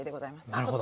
なるほど。